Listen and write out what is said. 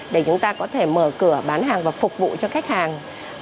để chúng ta có thể mở cửa bán hàng và phục vụ cho khách hàng